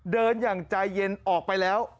อย่างใจเย็นออกไปแล้ว